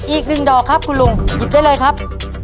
อีกหนึ่งดอกครับคุณลุงหยิบได้เลยครับ